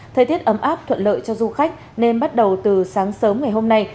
thời tiết ấm áp thuận lợi cho du khách nên bắt đầu từ sáng sớm ngày hôm nay